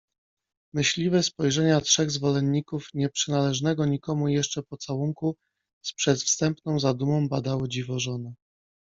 Myśliwe spojrzenia trzech zwolenników nieprzynależnego nikomu jeszcze pocałunku z przedwstępną zadumą badały dziwożonę.